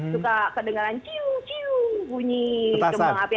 suka kedengeran ciu ciu bunyi kebang api